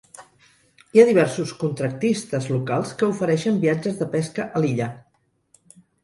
Hi ha diversos contractistes locals que ofereixen viatges de pesca a l'illa.